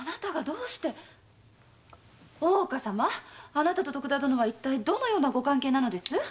あなたと徳田殿はいったいどのようなご関係なのです？